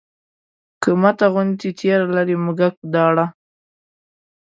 که مته غوندې تېره لري مږک داړه